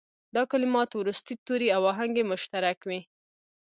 دا کلمات وروستي توري او آهنګ یې مشترک وي.